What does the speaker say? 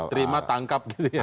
terima tangkap gitu ya